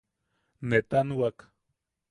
Netanwak.